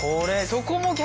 そこも逆？